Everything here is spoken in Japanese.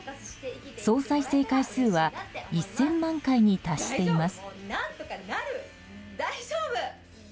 総再生回数は１０００万回に達しています。